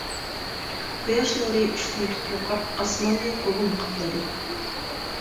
قۇياش نۇرى ئۇشتۇمتۇت يوقاپ ئاسماننى گۇگۇم قاپلىدى.